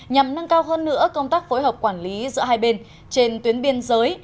nhằm nâng cao hơn nữa công tác phối hợp quản lý giữa hai bên trên tuyến biên giới